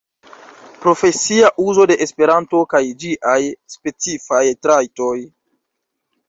Profesia uzo de Esperanto kaj ĝiaj specifaj trajtoj.